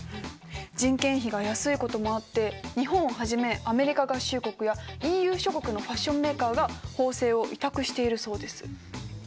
人件費が安いこともあって日本をはじめアメリカ合衆国やＥＵ諸国のファッションメーカーが縫製を委託しているそうです。